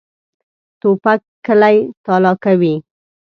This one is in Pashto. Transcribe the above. توپک کلی تالا کوي.